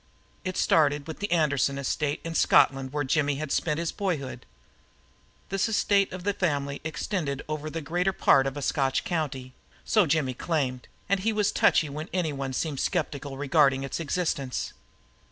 It started with the Anderson estate in Scotland where Jimmy had spent his boyhood. This estate of the family extended over the greater part of a Scotch county, so Jimmy claimed, and he was touchy when anyone seemed skeptical regarding its existence.